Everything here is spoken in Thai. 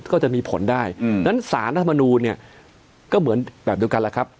ก็จะมีผลได้งั้นสารรัฐมนูลเนี่ยก็เหมือนแบบเดียวกันแหละครับ